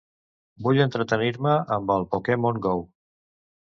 Vull entretenir-me amb el "Pokémon Go".